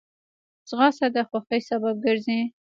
ځغاسته د خوښۍ سبب ګرځي